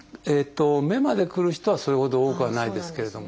目までくる人はそれほど多くはないですけれども。